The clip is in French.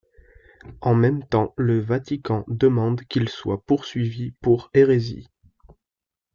En même temps, le Vatican demande qu’il soit poursuivi pour hérésie.